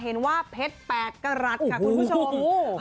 เห็นว่าเพชร๘กรัฐค่ะคุณผู้ชม